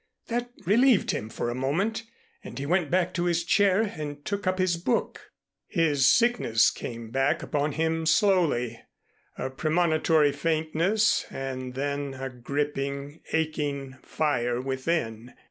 That relieved him for a moment and he went back to his chair and took up his book. His sickness came back upon him slowly, a premonitory faintness and then a gripping, aching fire within.